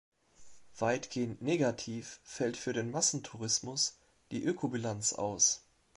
Weitgehend negativ fällt für den Massentourismus die Ökobilanz aus.